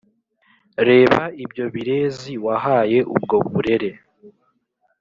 Reba ibyo birezi Wahaye ubwo burere